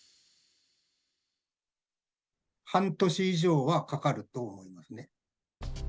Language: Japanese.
半年以上はかかると思いますね。